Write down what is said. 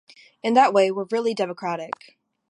In that way, we're really democratic.